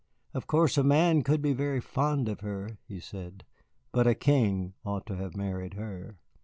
Of course a man could be very fond of her," he said, "but a king ought to have married her.